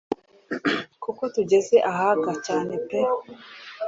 kuko tugeze ahaga cyane pe